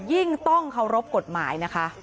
ยิ่งต้องเข้ารพกฎหมาย